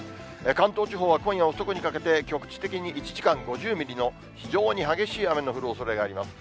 関東地方は今夜遅くにかけて、局地的に１時間５０ミリの非常に激しい雨の降るおそれがあります。